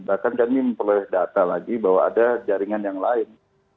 bahkan kami memperoleh data lagi bahwa ada jaringan yang lain